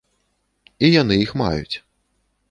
І яны іх маюць.